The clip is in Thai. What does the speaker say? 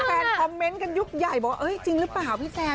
กันแปลนคอมเม้นต์กันยุคใหญ่บอกว่าเอ๊ะจริงรึเปล่าพี่แซม